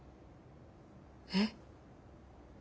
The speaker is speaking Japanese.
えっ。